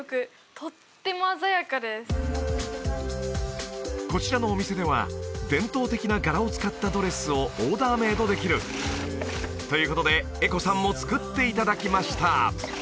とっても鮮やかですこちらのお店では伝統的な柄を使ったドレスをオーダーメードできるということで絵子さんも作っていただきました